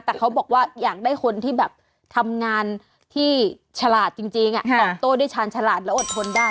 แต่เขาบอกว่าอยากได้คนที่แบบทำงานที่ฉลาดจริงตอบโต้ด้วยชาญฉลาดแล้วอดทนได้